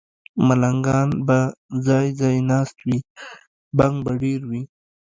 ملنګان به ځای، ځای ناست وي، بنګ به ډېر وي